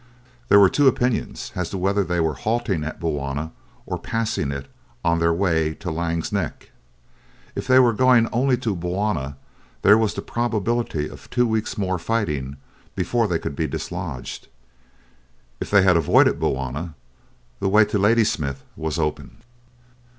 There were two opinions as to whether they were halting at Bulwana or passing it, on their way to Laing's Neck. If they were going only to Bulwana there was the probability of two weeks' more fighting before they could be dislodged. If they had avoided Bulwana, the way to Ladysmith was open.